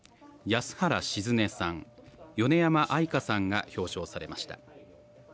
安原静音さん米山あいかさんが表彰されました。